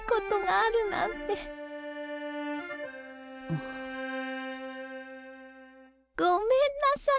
あ。ごめんなさい。